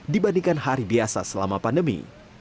dibandingkan hari biasa selama pandemi